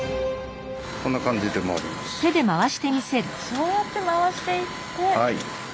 あそうやって回していって。